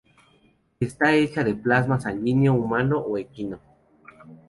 Está hecha de plasma sanguíneo humano o equino.